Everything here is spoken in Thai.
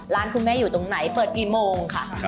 ป๊าจะให้ชลอง